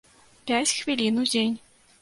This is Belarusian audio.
Пяць хвілін у дзень.